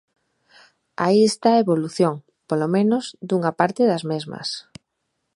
Aí está a evolución, polo menos, dunha parte das mesmas.